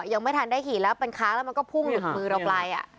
ยังไม่ทันได้ขี่แล้วเป็นค้างแล้วมันก็พุ่งหลุดมือเราไป